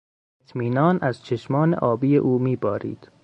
اطمینان از چشمان آبی او میبارید.